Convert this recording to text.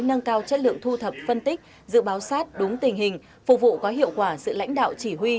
nâng cao chất lượng thu thập phân tích dự báo sát đúng tình hình phục vụ có hiệu quả sự lãnh đạo chỉ huy